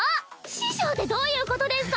⁉「師匠」ってどういうことですか！